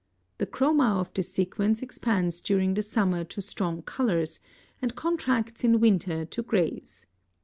The chroma of this sequence expands during the summer to strong colors, and contracts in winter to grays.